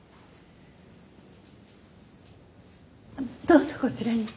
どうぞこちらに。